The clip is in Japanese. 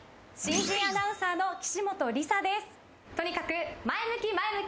新人アナウンサーの岸本理沙です。